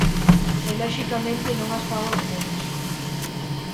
E loxicamente non as fago de menos.